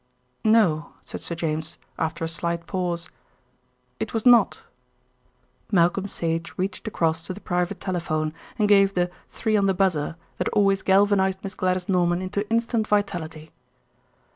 "No," said Sir James, after a slight pause; "it was not." Malcolm Sage reached across to the private telephone and gave the "three on the buzzer" that always galvanised Miss Gladys Norman into instant vitality.